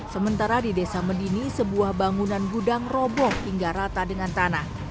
sementara di desa medini sebuah bangunan gudang roboh hingga rata dengan tanah